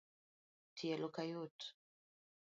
Tielo kayot